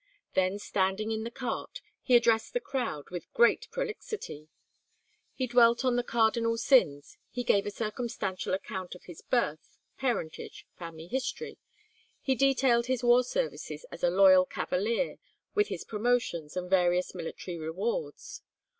Then standing in the cart, he addressed the crowd with great prolixity. He dwelt on the cardinal sins; he gave a circumstantial account of his birth, parentage, family history; he detailed his war services as a loyal cavalier, with his promotions and various military rewards.